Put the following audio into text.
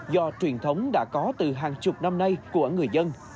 do truyền thống đã có từ hàng chục năm nay của người dân